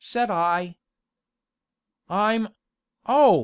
said I. "'Im oh!